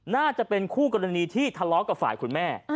น่าจะเป็นคู่กรณีที่ทะเลาะกับฝ่ายคุณแม่